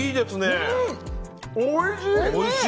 おいしい！